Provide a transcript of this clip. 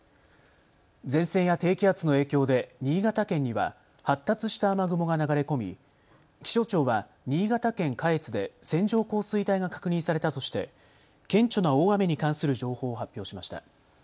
前線や低気圧の影響で新潟県には発達した雨雲が流れ込み気象庁は新潟県下越で線状降水帯が確認されたとして顕著な大雨に関する情報を発表しました。